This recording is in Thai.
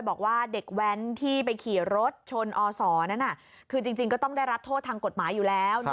บอกว่าเด็กแว้นที่ไปขี่รถชนอศนั้นคือจริงก็ต้องได้รับโทษทางกฎหมายอยู่แล้ว